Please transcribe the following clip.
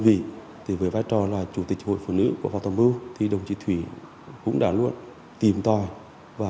vị thì với vai trò là chủ tịch hội phụ nữ của phó tổng mưu thì đồng chí thủy cũng đã luôn tìm tòi và